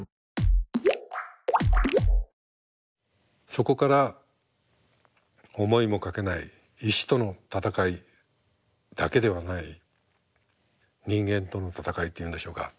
そこから思いもかけない石との闘いだけではない人間との闘いっていうんでしょうか。